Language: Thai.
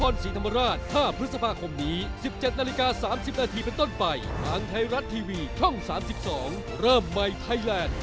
เริ่มใหม่ไทยแลนด์